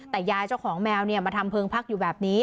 แต่ยายเจ้าของแมวมาทำเพลิงพักอยู่แบบนี้